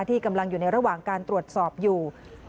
ที่กำลังอยู่ในระหว่างการตรวจสอบอยู่